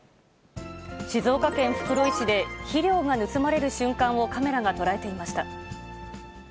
静岡県袋井市で、肥料が盗まれる瞬間をカメラが捉えていました。